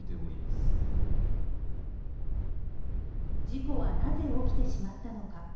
事故はなぜ起きてしまったのか。